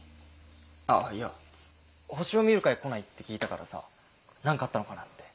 ああいや星を見る会来ないって聞いたからさ何かあったのかなって。